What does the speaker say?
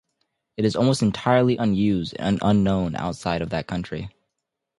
It is almost entirely unused and unknown outside of that country.